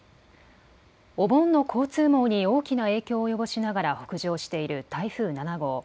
お盆の交通網に大きな影響を及ぼしながら北上している台風７号。